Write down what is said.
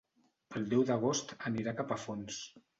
El deu d'agost anirà a Capafonts.